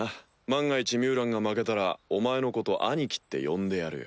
万が一ミュウランが負けたらお前のこと兄貴って呼んでやるよ。